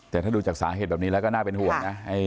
แต่ถ้าดูจากสาเหตุแบบนี้แล้วก็น่าเป็นห่วงนะ